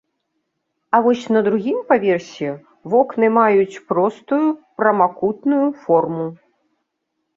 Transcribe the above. А вось на другім паверсе вокны маюць простую прамакутную форму.